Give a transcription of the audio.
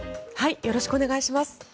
よろしくお願いします。